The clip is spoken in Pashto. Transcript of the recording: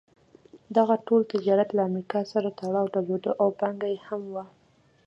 دغه ټول تجارت له امریکا سره تړاو درلود او پانګه یې هم وه.